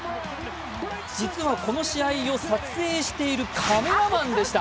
実はこの試合を撮影しているカメラマンでした。